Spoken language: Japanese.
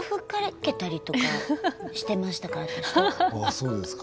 そうですか。